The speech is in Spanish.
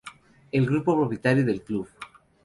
El grupo propietario del Club.